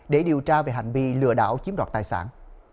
để điều tra về hành vi lừa đảo chiếm đoạt tài sản